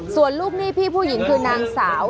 ส่วนลูกหนี้พี่ผู้หญิงคือนางสาว